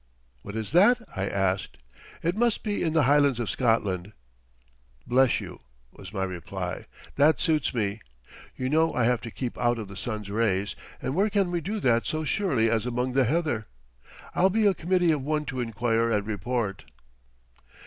"What is that?" I asked. "It must be in the Highlands of Scotland." "Bless you," was my reply. "That suits me. You know I have to keep out of the sun's rays, and where can we do that so surely as among the heather? I'll be a committee of one to inquire and report."